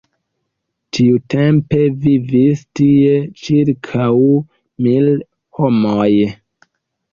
Tiutempe vivis tie ĉirkaŭ mil homoj.